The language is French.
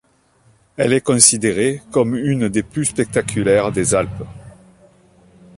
Elle est considérée comme une des plus spectaculaires des Alpes.